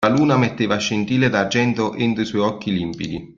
La luna metteva scintille d'argento entro i suoi occhi limpidi.